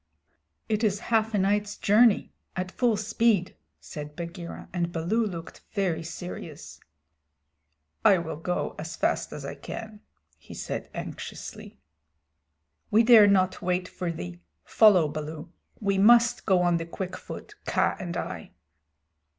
"It is half a night's journey at full speed," said Bagheera, and Baloo looked very serious. "I will go as fast as I can," he said anxiously. "We dare not wait for thee. Follow, Baloo. We must go on the quick foot Kaa and I."